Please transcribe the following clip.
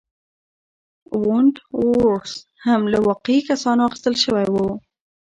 وُنت وُرث هم له واقعي کسانو اخیستل شوی و.